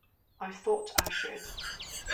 I thought I should.